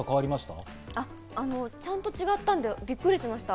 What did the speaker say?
ちゃんと違ったんで、びっくりしました！